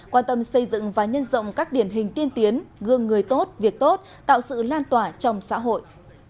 quan tâm xây dựng và nhân rộng các điển hình tiên tiến gương người tốt việc tốt tạo sự lan tỏa trong xã hội